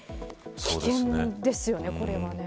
危険ですよね、これは。